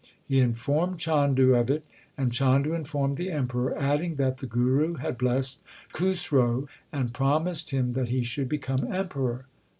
He informed Chandu of it, and Chandu informed the Emperor, adding that the Guru had blessed Khusro and promised him that he should become Emperor.